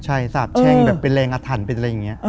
กระดาษแชงแบบเป็นแรงอธันตร์เป็นอะไรอย่างนี้